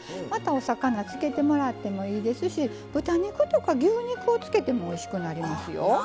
またお魚漬けてもらってもいいですし豚肉とか牛肉を漬けてもおいしくなりますよ。